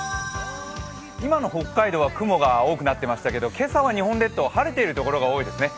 今の北海道は雲が多くなっていましたけれども今朝は日本列島、晴れている所が多いですね。